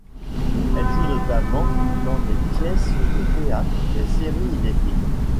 Elle joue notamment dans des pièces de théâtre, des séries et des films.